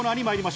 はい。